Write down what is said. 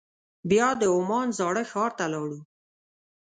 بیا د عمان زاړه ښار ته لاړو.